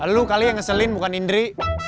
lu kali yang ngeselin bukan indri